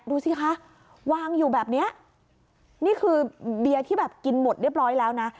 ดูสิคะวางอยู่แบบเนี้ยนี่คือเบียร์ที่แบบกินหมดเรียบร้อยแล้วนะ